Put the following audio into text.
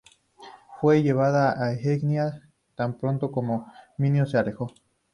Fue llevada a Egina tan pronto como Minos se alejó.